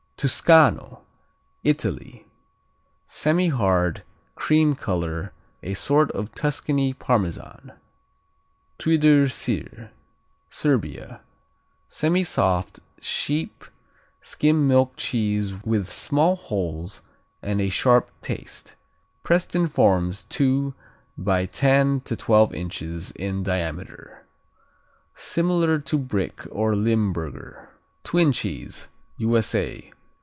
Tuscano Italy Semihard; cream color; a sort of Tuscany Parmesan. Twdr Sir Serbia Semisoft sheep skim milk cheese with small holes and a sharp taste. Pressed in forms two by ten to twelve inches in diameter. Similar to Brick or Limburger. Twin Cheese _U.S.A.